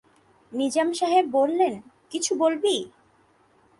নিজাম সাহেব বললেন, কিছু বলবি?